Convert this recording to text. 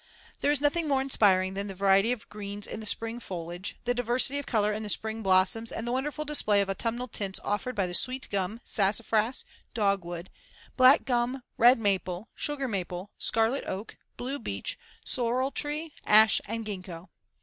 There is nothing more inspiring than the variety of greens in the spring foliage, the diversity of color in the spring blossoms and the wonderful display of autumnal tints offered by the sweet gum, sassafras, dogwood, black gum, red maple, sugar maple, scarlet oak, blue beech, sorrel tree, ash and gingko.